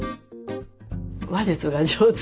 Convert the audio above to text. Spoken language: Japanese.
話術が上手。